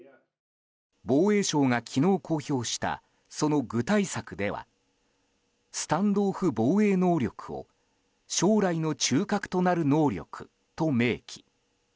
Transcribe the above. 防衛省が昨日、公表したその具体策ではスタンド・オフ防衛能力を将来の中核となる能力と明記。